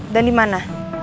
dan di mana